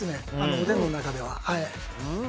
おでんの中では。